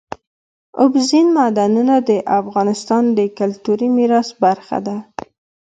اوبزین معدنونه د افغانستان د کلتوري میراث برخه ده.